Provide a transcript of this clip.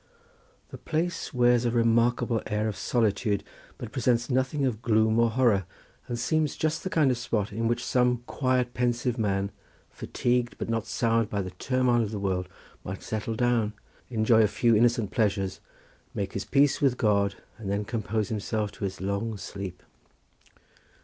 The place wears a remarkable air of solitude, but presents nothing of gloom and horror, and seems just the kind of spot in which some quiet pensive man, fatigued but not soured by the turmoil of the world, might settle down, enjoy a few innocent pleasures, make his peace with God and then compose himself to his long sleep.